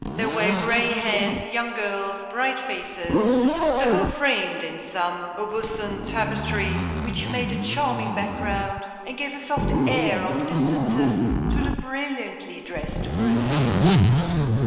There were gray heads, young girls, bright faces—the whole framed in some Aubusson tapestries which made a charming background, and gave a soft air of distances to the brilliantly dressed groups."